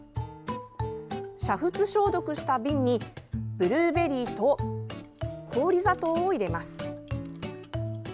煮沸消毒した瓶にブルーベリーと氷砂糖を入れます。